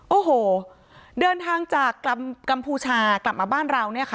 โอ้โหเดินทางจากกัมพูชากลับมาบ้านเราเนี่ยค่ะ